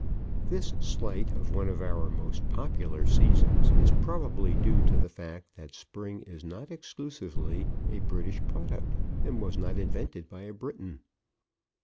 This slight of one of our most popular seasons is probably due to the fact that Spring is not exclusively a British product and was not invented by a Briton.